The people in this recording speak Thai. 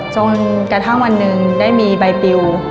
จนกระทั่งวันหนึ่งได้มีใบปิว